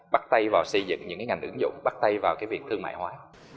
bắt tay vào xây dựng những ngành ứng dụng bắt tay vào việc thương mại hóa